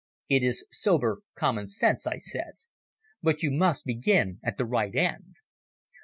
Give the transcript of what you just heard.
"It is sober common sense," I said. "But you must begin at the right end.